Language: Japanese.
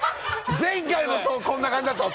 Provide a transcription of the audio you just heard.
前回もそうこんな感じだったよ。